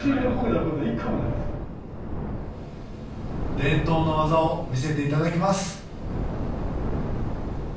伝統の技を見せていただきます